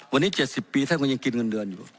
วันนี้๗๐ปีท่านก็ยังกินเงินเดือนอยู่